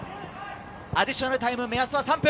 アディショナルタイム、目安は３分。